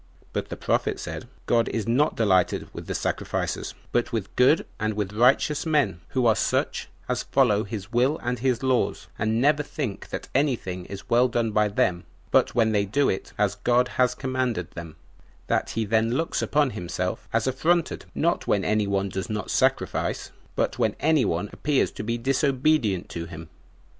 But the prophet said, "God is not delighted with sacrifices, but with good and with righteous men, who are such as follow his will and his laws, and never think that any thing is well done by them but when they do it as God had commanded them; that he then looks upon himself as affronted, not when any one does not sacrifice, but when any one appears to be disobedient to him.